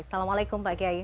assalamualaikum pak kiai